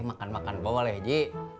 makan makan boleh jik